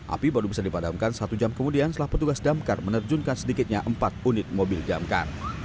api baru bisa dipadamkan satu jam kemudian setelah petugas damkar menerjunkan sedikitnya empat unit mobil damkar